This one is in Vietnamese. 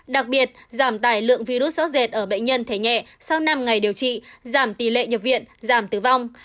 đặc biệt giảm tài lượng virus sót dệt ở bệnh nhân thể nhẹ sau năm ngày điều trị giảm tỷ lệ nhập viện giảm tử vong